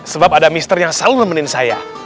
sebab ada mr yang selalu nemenin saya